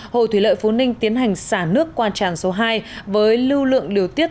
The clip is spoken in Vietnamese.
hồ thủy lợi phú ninh tiến hành xả nước qua tràn số hai với lưu lượng điều tiết